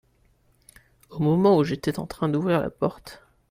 Au moment où j'étais en train d'ouvrir la porte.